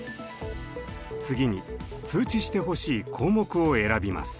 次に通知してほしい項目を選びます。